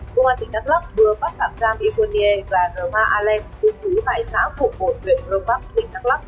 công an tỉnh đắk lắk vừa bắt tạm giam iconier và germain allen tuyển trú tại xã phục bộ nguyện rơ bắc tỉnh đắk lắk